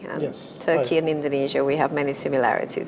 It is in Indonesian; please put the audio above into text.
dan di turki dan indonesia kita memiliki banyak kebedaan